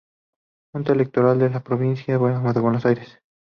Junta Electoral de la Provincia de Buenos Aires